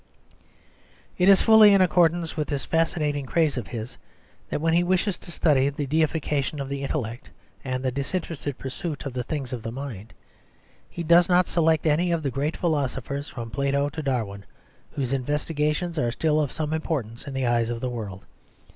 It is fully in accordance with this fascinating craze of his that when he wishes to study the deification of the intellect and the disinterested pursuit of the things of the mind, he does not select any of the great philosophers from Plato to Darwin, whose investigations are still of some importance in the eyes of the world.